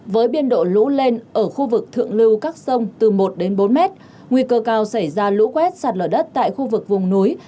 với biên độ lũ lên ở khu vực thượng lưu các sông từ một đến bốn mét nguy cơ cao xảy ra lũ quét sạt lở đất tại khu vực vùng núi